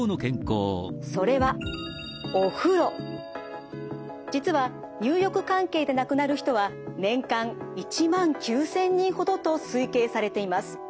それは実は入浴関係で亡くなる人は年間１万９，０００人ほどと推計されています。